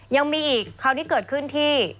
ยังมีอีกคราวนี้เกิดขึ้นที่